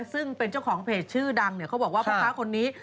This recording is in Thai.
ซึ่งเป็นเจ้าของเพจชื่อดังเนี่ยเขาบอกว่าพ่อค้าคนนี้